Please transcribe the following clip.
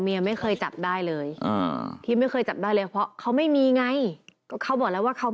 เดี๋ยวเขาก็จะมีปัญหากับเราอีกกับคนที่เรา